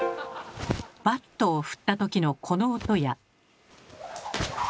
バットを振った時のこの音や。